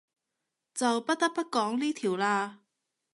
就不得不講呢條喇